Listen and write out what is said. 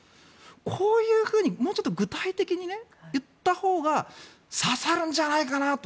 こういうふうにもうちょっと具体的に言ったほうが刺さるんじゃないかなと。